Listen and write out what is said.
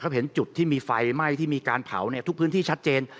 เห็นจุดที่มีไฟไหม้ที่มีการเผาทุกพื้นที่ชัดเจน